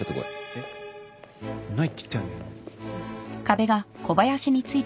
えっないって言ったよね？